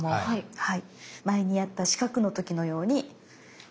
はい。